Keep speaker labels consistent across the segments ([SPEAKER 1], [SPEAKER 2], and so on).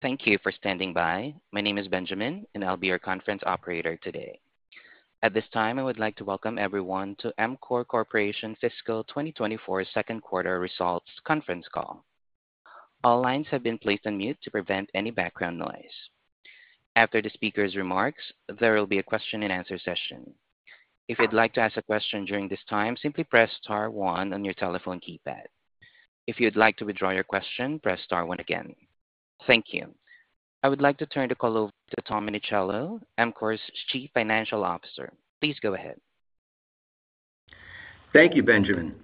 [SPEAKER 1] Thank you for standing by. My name is Benjamin, and I'll be your conference operator today. At this time, I would like to welcome everyone to EMCORE Corporation Fiscal 2024 Second Quarter Results Conference Call. All lines have been placed on mute to prevent any background noise. After the speaker's remarks, there will be a question-and-answer session. If you'd like to ask a question during this time, simply press star 1 on your telephone keypad. If you'd like to withdraw your question, press star 1 again. Thank you. I would like to turn the call over to Tom Minichiello, EMCORE's Chief Financial Officer. Please go ahead.
[SPEAKER 2] Thank you, Benjamin.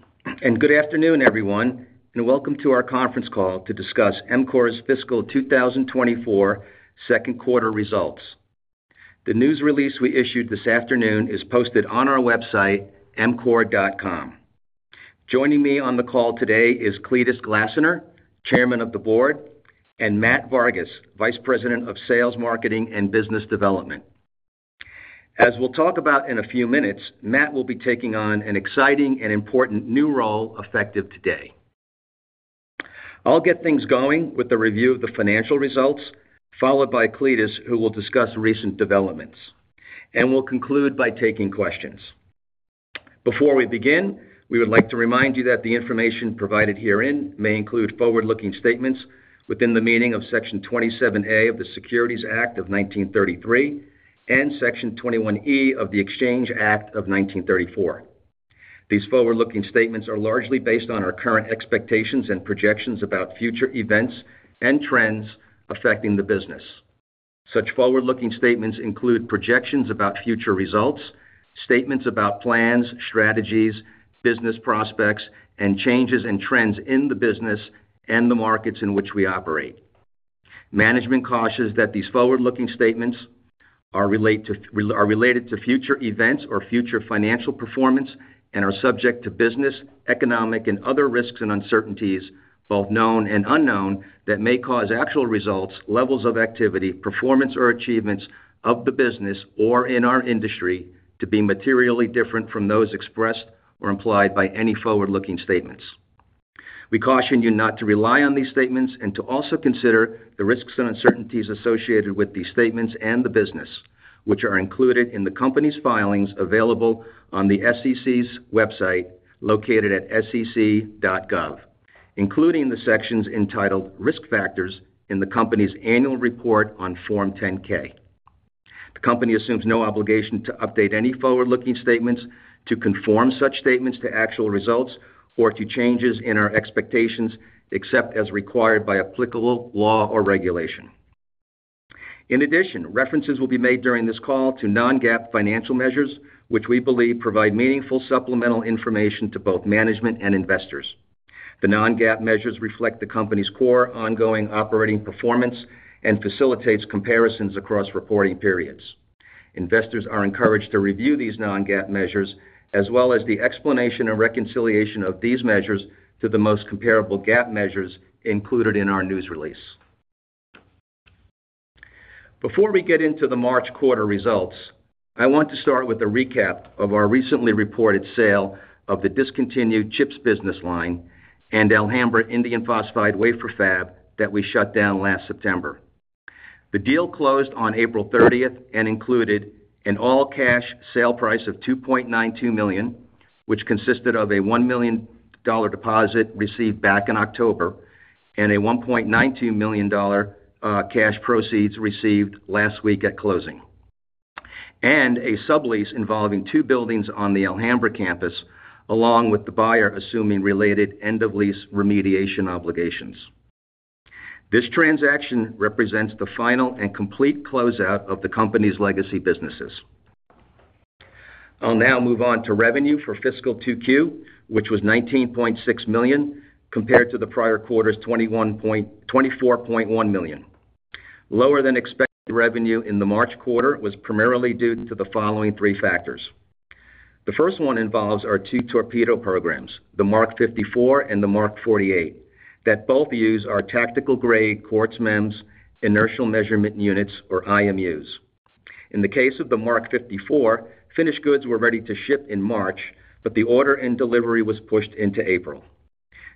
[SPEAKER 2] Good afternoon, everyone, and welcome to our conference call to discuss EMCORE's Fiscal 2024 Second Quarter Results. The news release we issued this afternoon is posted on our website, emcore.com. Joining me on the call today is Cletus Glasener, Chairman of the Board, and Matt Vargas, Vice President of Sales, Marketing, and Business Development. As we'll talk about in a few minutes, Matt will be taking on an exciting and important new role effective today. I'll get things going with the review of the financial results, followed by Cletus, who will discuss recent developments, and we'll conclude by taking questions. Before we begin, we would like to remind you that the information provided herein may include forward-looking statements within the meaning of Section 27A of the Securities Act of 1933 and Section 21E of the Exchange Act of 1934. These forward-looking statements are largely based on our current expectations and projections about future events and trends affecting the business. Such forward-looking statements include projections about future results, statements about plans, strategies, business prospects, and changes and trends in the business and the markets in which we operate. Management cautions that these forward-looking statements are related to future events or future financial performance and are subject to business, economic, and other risks and uncertainties, both known and unknown, that may cause actual results, levels of activity, performance, or achievements of the business or in our industry to be materially different from those expressed or implied by any forward-looking statements. We caution you not to rely on these statements and to also consider the risks and uncertainties associated with these statements and the business, which are included in the company's filings available on the SEC's website located at sec.gov, including the sections entitled Risk Factors in the company's annual report on Form 10-K. The company assumes no obligation to update any forward-looking statements, to conform such statements to actual results, or to changes in our expectations except as required by applicable law or regulation. In addition, references will be made during this call to non-GAAP financial measures, which we believe provide meaningful supplemental information to both management and investors. The non-GAAP measures reflect the company's core ongoing operating performance and facilitate comparisons across reporting periods. Investors are encouraged to review these non-GAAP measures, as well as the explanation and reconciliation of these measures to the most comparable GAAP measures included in our news release. Before we get into the March quarter results, I want to start with a recap of our recently reported sale of the discontinued Chips business line and Alhambra Indium Phosphide wafer fab that we shut down last September. The deal closed on April 30th and included an all-cash sale price of $2.92 million, which consisted of a $1 million deposit received back in October and a $1.92 million cash proceeds received last week at closing, and a sublease involving two buildings on the Alhambra campus, along with the buyer assuming related end-of-lease remediation obligations. This transaction represents the final and complete closeout of the company's legacy businesses. I'll now move on to revenue for Fiscal 2Q, which was $19.6 million compared to the prior quarter's $24.1 million. Lower-than-expected revenue in the March quarter was primarily due to the following three factors. The first one involves our two torpedo programs, the Mark 54 and the Mark 48, that both use our tactical-grade Quartz MEMS, Inertial Measurement Units, or IMUs. In the case of the Mark 54, finished goods were ready to ship in March, but the order and delivery was pushed into April.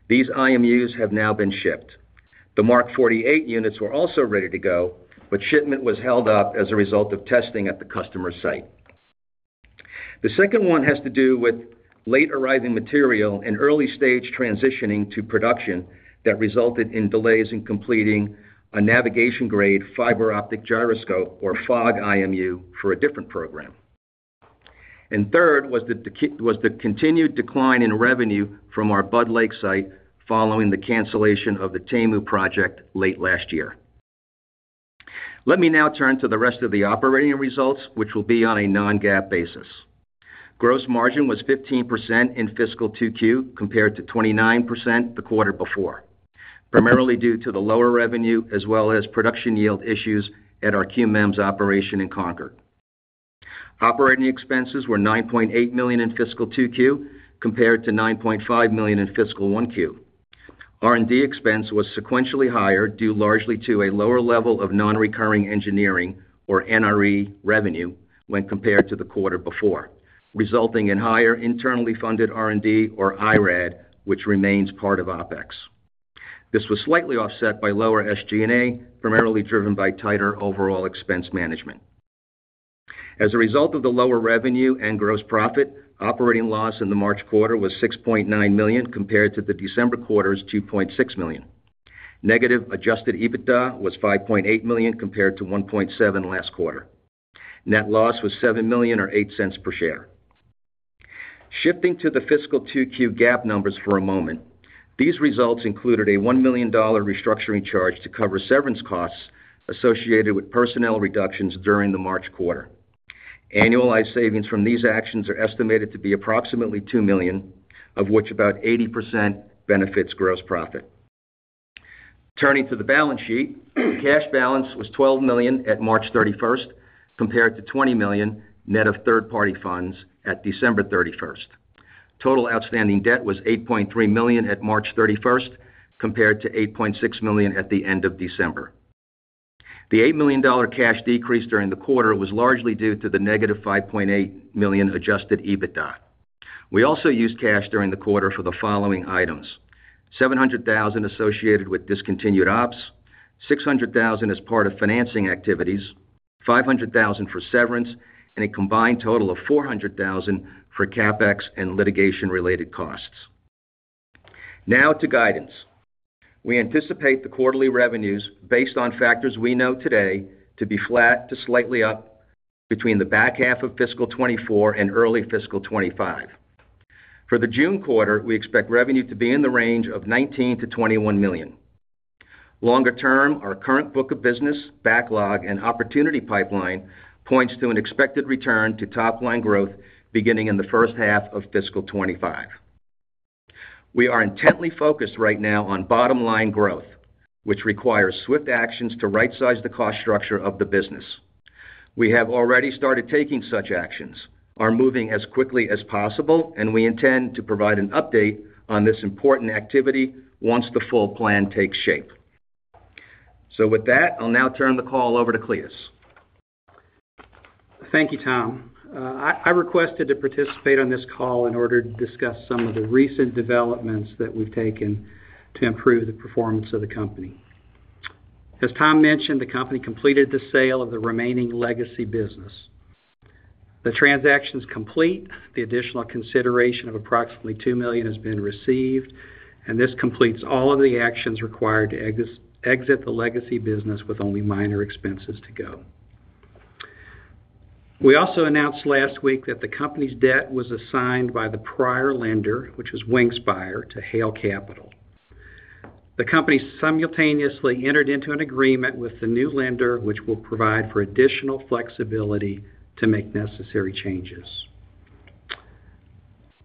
[SPEAKER 2] These IMUs have now been shipped. The Mark 48 units were also ready to go, but shipment was held up as a result of testing at the customer site. The second one has to do with late-arriving material and early-stage transitioning to production that resulted in delays in completing a navigation-grade fiber-optic gyroscope, or FOG, IMU for a different program. Third was the continued decline in revenue from our Bud Lake site following the cancellation of the TAMU project late last year. Let me now turn to the rest of the operating results, which will be on a non-GAAP basis. Gross margin was 15% in Fiscal 2Q compared to 29% the quarter before, primarily due to the lower revenue as well as production yield issues at our QMEMS operation in Concord. Operating expenses were $9.8 million in Fiscal 2Q compared to $9.5 million in Fiscal 1Q. R&D expense was sequentially higher due largely to a lower level of non-recurring engineering, or NRE, revenue when compared to the quarter before, resulting in higher internally funded R&D, or IRAD, which remains part of OPEX. This was slightly offset by lower SG&A, primarily driven by tighter overall expense management. As a result of the lower revenue and gross profit, operating loss in the March quarter was $6.9 million compared to the December quarter's $2.6 million. Negative Adjusted EBITDA was $5.8 million compared to $1.7 million last quarter. Net loss was $7.08 per share. Shifting to the Fiscal 2Q GAAP numbers for a moment, these results included a $1 million restructuring charge to cover severance costs associated with personnel reductions during the March quarter. Annualized savings from these actions are estimated to be approximately $2 million, of which about 80% benefits gross profit. Turning to the balance sheet, cash balance was $12 million at March 31st compared to $20 million net of third-party funds at December 31st. Total outstanding debt was $8.3 million at March 31st compared to $8.6 million at the end of December. The $8 million cash decrease during the quarter was largely due to the negative $5.8 million Adjusted EBITDA. We also used cash during the quarter for the following items: $700,000 associated with discontinued ops, $600,000 as part of financing activities, $500,000 for severance, and a combined total of $400,000 for Capex and litigation-related costs. Now to guidance. We anticipate the quarterly revenues, based on factors we know today, to be flat to slightly up between the back half of Fiscal 2024 and early Fiscal 2025. For the June quarter, we expect revenue to be in the range of $19-$21 million. Longer term, our current book of business, backlog, and opportunity pipeline points to an expected return to top-line growth beginning in the first half of Fiscal 2025. We are intently focused right now on bottom-line growth, which requires swift actions to right-size the cost structure of the business. We have already started taking such actions, are moving as quickly as possible, and we intend to provide an update on this important activity once the full plan takes shape. With that, I'll now turn the call over to Cletus.
[SPEAKER 3] Thank you, Tom. I requested to participate on this call in order to discuss some of the recent developments that we've taken to improve the performance of the company. As Tom mentioned, the company completed the sale of the remaining legacy business. The transaction is complete. The additional consideration of approximately $2 million has been received, and this completes all of the actions required to exit the legacy business with only minor expenses to go. We also announced last week that the company's debt was assigned by the prior lender, which was Wingspire, to Hale Capital. The company simultaneously entered into an agreement with the new lender, which will provide for additional flexibility to make necessary changes.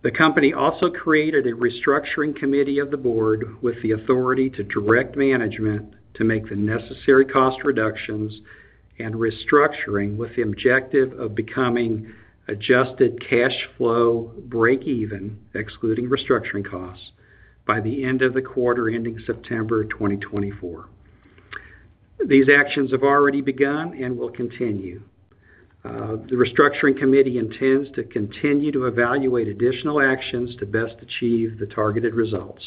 [SPEAKER 3] The company also created a restructuring committee of the board with the authority to direct management to make the necessary cost reductions and restructuring with the objective of becoming adjusted cash flow break-even, excluding restructuring costs, by the end of the quarter ending September 2024. These actions have already begun and will continue. The restructuring committee intends to continue to evaluate additional actions to best achieve the targeted results.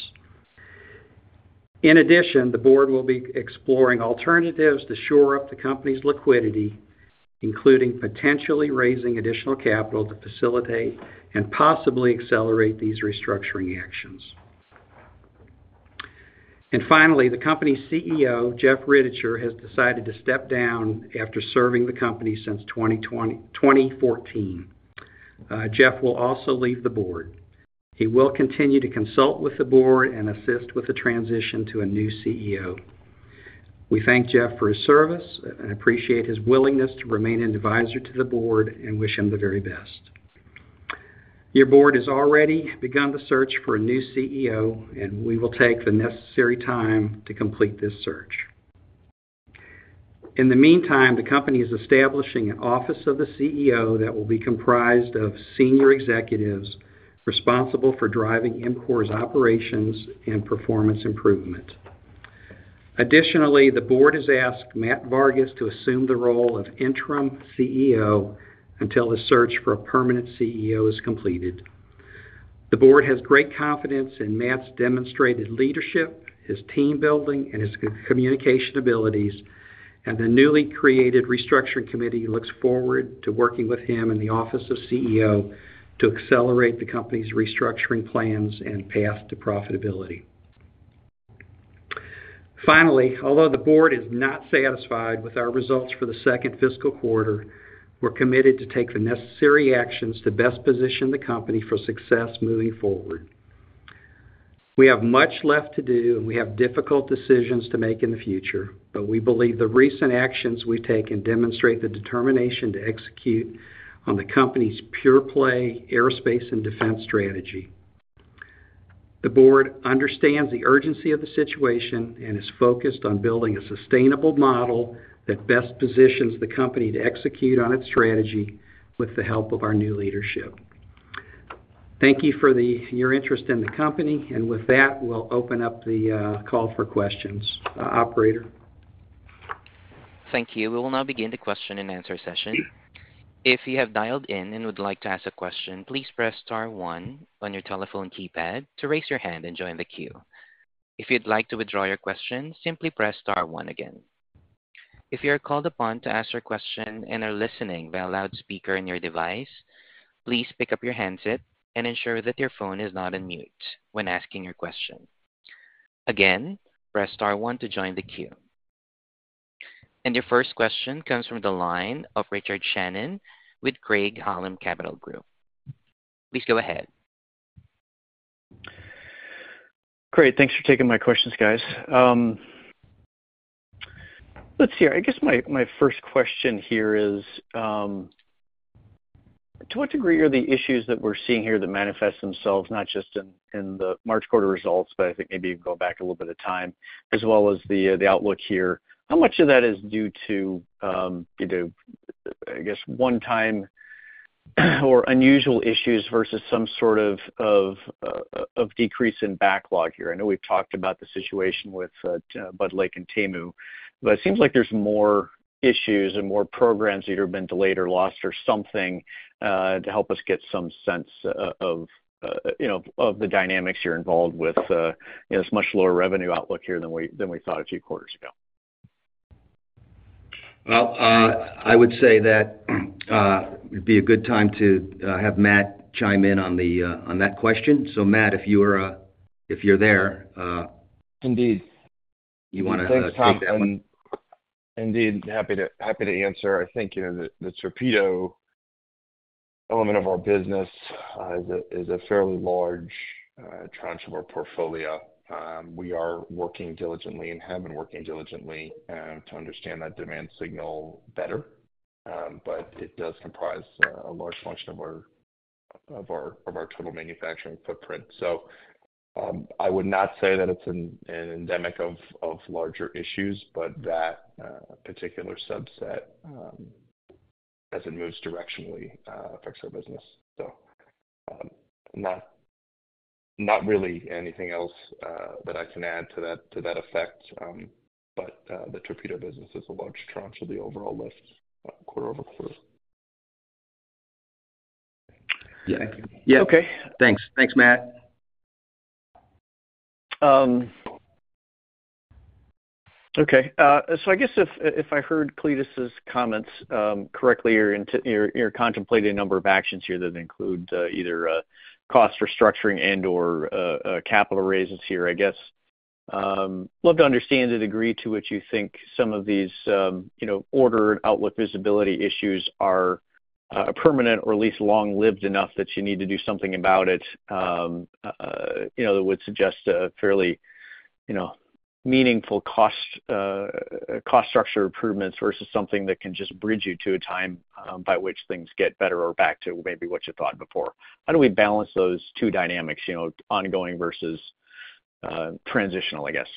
[SPEAKER 3] In addition, the board will be exploring alternatives to shore up the company's liquidity, including potentially raising additional capital to facilitate and possibly accelerate these restructuring actions. Finally, the company's CEO, Jeff Rittichier, has decided to step down after serving the company since 2014. Jeff will also leave the board. He will continue to consult with the board and assist with the transition to a new CEO. We thank Jeff for his service and appreciate his willingness to remain an advisor to the board and wish him the very best. Your board has already begun the search for a new CEO, and we will take the necessary time to complete this search. In the meantime, the company is establishing an Office of the CEO that will be comprised of senior executives responsible for driving EMCORE's operations and performance improvement. Additionally, the board has asked Matt Vargas to assume the role of interim CEO until the search for a permanent CEO is completed. The board has great confidence in Matt's demonstrated leadership, his team-building, and his communication abilities, and the newly created restructuring committee looks forward to working with him in the office of CEO to accelerate the company's restructuring plans and path to profitability. Finally, although the board is not satisfied with our results for the second fiscal quarter, we're committed to take the necessary actions to best position the company for success moving forward. We have much left to do, and we have difficult decisions to make in the future, but we believe the recent actions we've taken demonstrate the determination to execute on the company's pure-play aerospace and defense strategy. The board understands the urgency of the situation and is focused on building a sustainable model that best positions the company to execute on its strategy with the help of our new leadership. Thank you for your interest in the company. And with that, we'll open up the call for questions. Operator.
[SPEAKER 1] Thank you. We will now begin the question-and-answer session. If you have dialed in and would like to ask a question, please press star 1 on your telephone keypad to raise your hand and join the queue. If you'd like to withdraw your question, simply press star 1 again. If you are called upon to ask your question and are listening via loudspeaker in your device, please pick up your handset and ensure that your phone is not on mute when asking your question. Again, press star 1 to join the queue. Your first question comes from the line of Richard Shannon with Craig-Hallum Capital Group. Please go ahead.
[SPEAKER 4] Great. Thanks for taking my questions, guys. Let's see. I guess my first question here is, to what degree are the issues that we're seeing here that manifest themselves not just in the March quarter results, but I think maybe even going back a little bit of time, as well as the outlook here, how much of that is due to, I guess, one-time or unusual issues versus some sort of decrease in backlog here? I know we've talked about the situation with Bud Lake and TAMU, but it seems like there's more issues and more programs that either have been delayed or lost or something to help us get some sense of the dynamics you're involved with this much lower revenue outlook here than we thought a few quarters ago.
[SPEAKER 2] Well, I would say that it'd be a good time to have Matt chime in on that question. So Matt, if you're there, do you want to take that one?
[SPEAKER 5] Indeed. Happy to answer. I think the torpedo element of our business is a fairly large tranche of our portfolio. We are working diligently and have been working diligently to understand that demand signal better, but it does comprise a large function of our total manufacturing footprint. So I would not say that it's an endemic of larger issues, but that particular subset, as it moves directionally, affects our business. So not really anything else that I can add to that effect, but the torpedo business is a large tranche of the overall lift quarter-over-quarter.
[SPEAKER 2] Yeah. Okay. Thanks. Thanks, Matt.
[SPEAKER 4] Okay. So I guess if I heard Cletus's comments correctly, you're contemplating a number of actions here that include either cost restructuring and/or capital raises here, I guess. Love to understand the degree to which you think some of these order and outlook visibility issues are permanent or at least long-lived enough that you need to do something about it that would suggest fairly meaningful cost structure improvements versus something that can just bridge you to a time by which things get better or back to maybe what you thought before. How do we balance those two dynamics, ongoing versus transitional, I guess?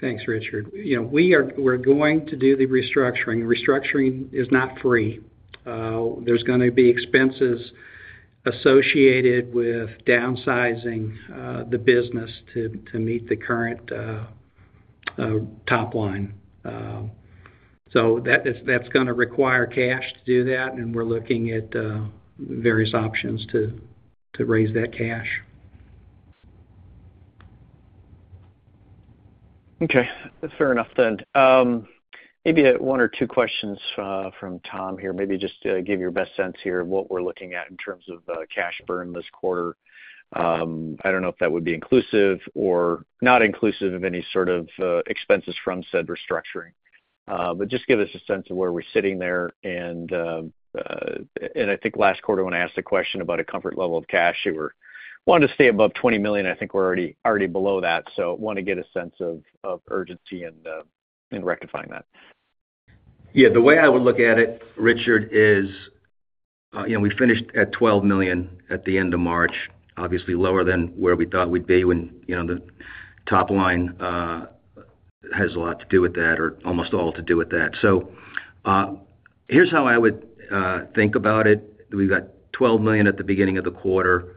[SPEAKER 5] Thanks, Richard. We're going to do the restructuring. Restructuring is not free. There's going to be expenses associated with downsizing the business to meet the current top line. So that's going to require cash to do that, and we're looking at various options to raise that cash.
[SPEAKER 4] Okay. Fair enough then. Maybe one or two questions from Tom here. Maybe just give your best sense here of what we're looking at in terms of cash burn this quarter. I don't know if that would be inclusive or not inclusive of any sort of expenses from said restructuring, but just give us a sense of where we're sitting there. I think last quarter, when I asked the question about a comfort level of cash, you were wanting to stay above $20 million. I think we're already below that. Want to get a sense of urgency in rectifying that.
[SPEAKER 2] Yeah. The way I would look at it, Richard, is we finished at $12 million at the end of March, obviously lower than where we thought we'd be when the top line has a lot to do with that or almost all to do with that. So here's how I would think about it. We've got $12 million at the beginning of the quarter.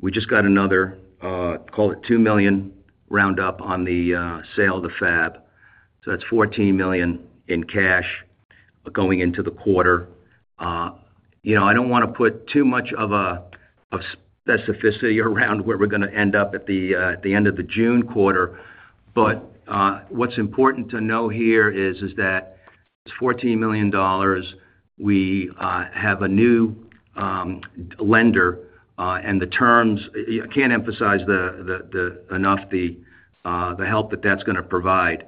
[SPEAKER 2] We just got another, call it $2 million, round up on the sale of the fab. So that's $14 million in cash going into the quarter. I don't want to put too much of a specificity around where we're going to end up at the end of the June quarter, but what's important to know here is that it's $14 million. We have a new lender, and the terms I can't emphasize enough the help that that's going to provide,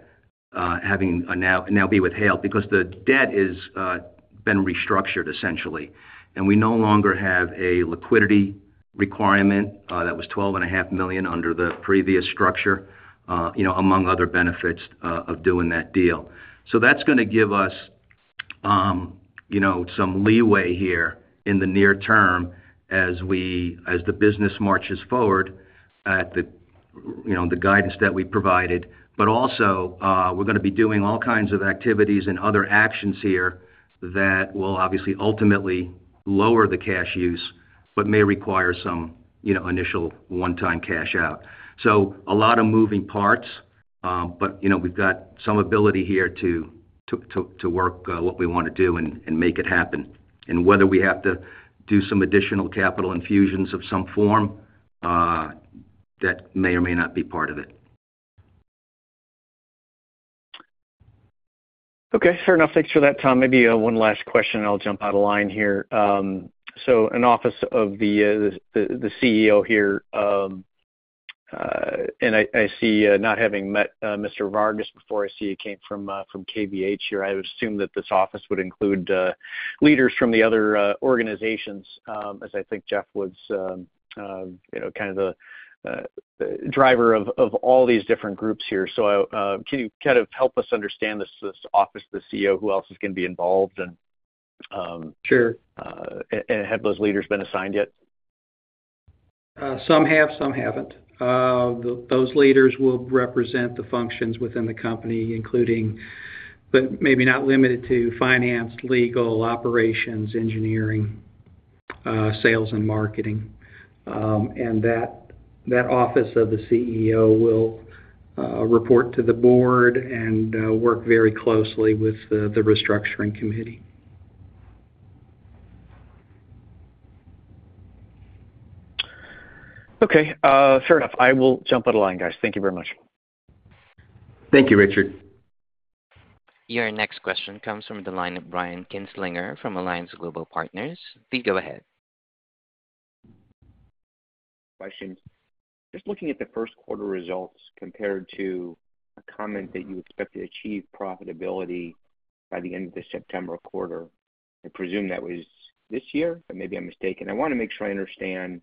[SPEAKER 2] having now be with Hale, because the debt has been restructured, essentially, and we no longer have a liquidity requirement that was $12.5 million under the previous structure, among other benefits of doing that deal. So that's going to give us some leeway here in the near term as the business marches forward at the guidance that we provided. But also, we're going to be doing all kinds of activities and other actions here that will obviously ultimately lower the cash use but may require some initial one-time cash out. So a lot of moving parts, but we've got some ability here to work what we want to do and make it happen. Whether we have to do some additional capital infusions of some form, that may or may not be part of it.
[SPEAKER 4] Okay. Fair enough. Thanks for that, Tom. Maybe one last question, and I'll jump out of line here. So, an office of the CEO here, and I see, not having met Mr. Vargas before. I see he came from KVH here. I would assume that this office would include leaders from the other organizations, as I think Jeff was kind of the driver of all these different groups here. So, can you kind of help us understand this office, the CEO, who else is going to be involved, and have those leaders been assigned yet?
[SPEAKER 3] Some have, some haven't. Those leaders will represent the functions within the company, but maybe not limited to finance, legal, operations, engineering, sales, and marketing. That office of the CEO will report to the board and work very closely with the restructuring committee.
[SPEAKER 4] Okay. Fair enough. I will jump out of line, guys. Thank you very much.
[SPEAKER 2] Thank you, Richard.
[SPEAKER 1] Your next question comes from the line of Brian Kinstlinger from Alliance Global Partners. Please go ahead.
[SPEAKER 6] Questions. Just looking at the first quarter results compared to a comment that you expect to achieve profitability by the end of the September quarter, I presume that was this year, but maybe I'm mistaken. I want to make sure I understand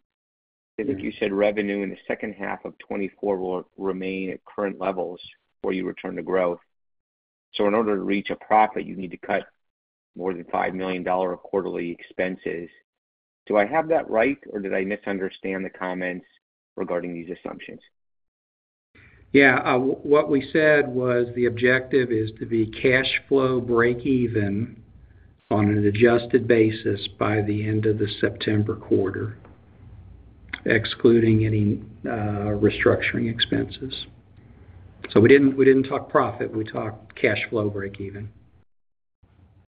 [SPEAKER 6] because I think you said revenue in the second half of 2024 will remain at current levels before you return to growth. So in order to reach a profit, you need to cut more than $5 million of quarterly expenses. Do I have that right, or did I misunderstand the comments regarding these assumptions?
[SPEAKER 3] Yeah. What we said was the objective is to be cash flow break-even on an adjusted basis by the end of the September quarter, excluding any restructuring expenses. So we didn't talk profit. We talked cash flow break-even.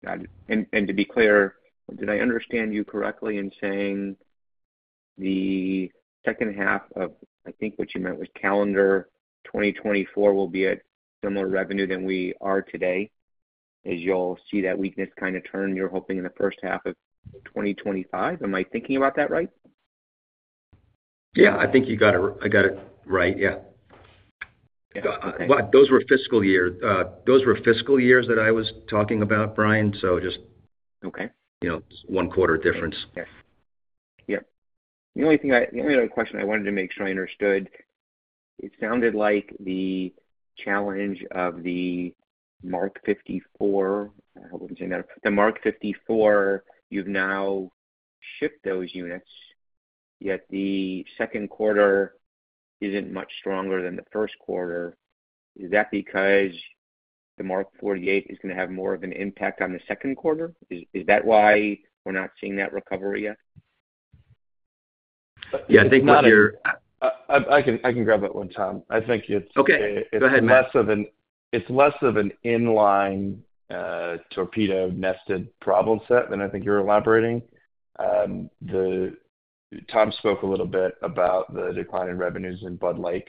[SPEAKER 6] Got it. And to be clear, did I understand you correctly in saying the second half of I think what you meant was calendar 2024 will be at similar revenue than we are today? As you'll see that weakness kind of turn, you're hoping in the first half of 2025. Am I thinking about that right?
[SPEAKER 2] Yeah. I think you got it right. Yeah. Those were fiscal years. Those were fiscal years that I was talking about, Brian, so just one quarter difference.
[SPEAKER 6] Okay. Yeah. The only other question I wanted to make sure I understood, it sounded like the challenge of the Mk 54. I hope I'm saying that right. The Mk 54, you've now shipped those units, yet the second quarter isn't much stronger than the first quarter. Is that because the Mk 48 is going to have more of an impact on the second quarter? Is that why we're not seeing that recovery yet?
[SPEAKER 2] Yeah. I think what you're.
[SPEAKER 5] I can grab that one, Tom. I think it's less of an inline torpedo nested problem set than I think you're elaborating. Tom spoke a little bit about the declining revenues in Bud Lake.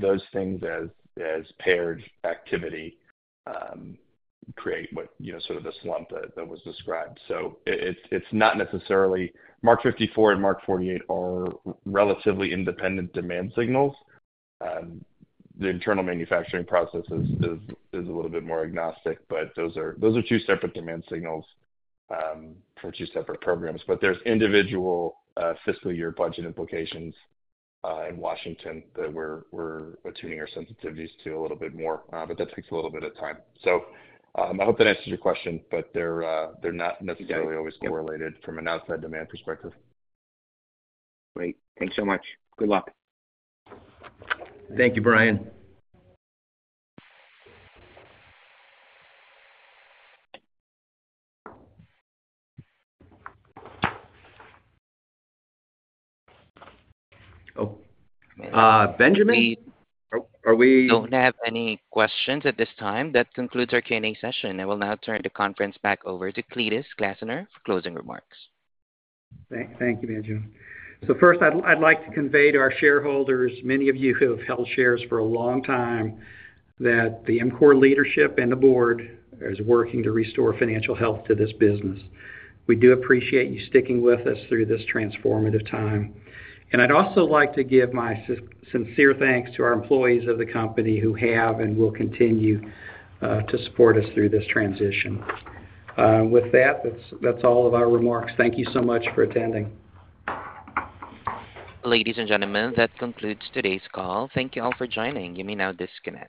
[SPEAKER 5] Those things, as paired activity, create sort of the slump that was described. So it's not necessarily Mark 54 and Mark 48 are relatively independent demand signals. The internal manufacturing process is a little bit more agnostic, but those are two separate demand signals for two separate programs. But there's individual fiscal year budget implications in Washington that we're attuning our sensitivities to a little bit more, but that takes a little bit of time. So I hope that answers your question, but they're not necessarily always correlated from an outside demand perspective.
[SPEAKER 6] Great. Thanks so much. Good luck.
[SPEAKER 2] Thank you, Brian. Oh. Benjamin?
[SPEAKER 1] Are we. No one have any questions at this time. That concludes our Q&A session. I will now turn the conference back over to Cletus Glasener for closing remarks.
[SPEAKER 3] Thank you, Benjamin. So first, I'd like to convey to our shareholders, many of you who have held shares for a long time, that the EMCORE leadership and the board is working to restore financial health to this business. We do appreciate you sticking with us through this transformative time. I'd also like to give my sincere thanks to our employees of the company who have and will continue to support us through this transition. With that, that's all of our remarks. Thank you so much for attending.
[SPEAKER 1] Ladies and gentlemen, that concludes today's call. Thank you all for joining. You may now disconnect.